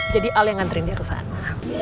jadi al yang ngantriin dia ke sana